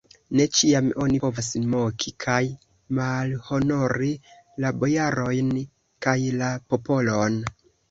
Ne ĉiam oni povas moki kaj malhonori la bojarojn kaj la popolon!